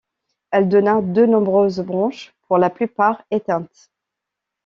Elle donna de nombreuses branches pour la plupart éteintes.